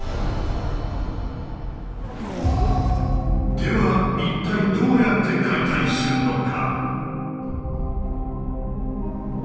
では一体どうやって解体するのか？